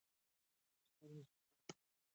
استاد بسم الله خان معلومات راکړي وو.